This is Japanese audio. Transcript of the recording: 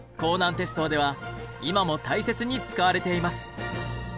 鉄道では今も大切に使われています。